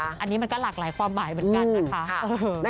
อันนี้มันก็หลากหลายความหมายเหมือนกันนะคะ